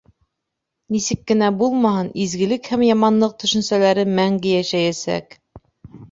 Нисек кенә булмаһын, изгелек һәм яманлыҡ төшөнсәләре мәңге йәшәйәсәк.